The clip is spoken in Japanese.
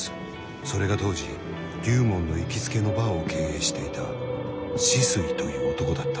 それが当時龍門の行きつけのバーを経営していた酒々井という男だった。